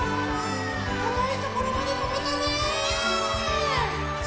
たかいところまでとべたね。